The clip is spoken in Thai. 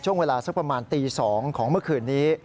ช่วงเวลาสักประมาณตี๒ของเมื่อคืนนี้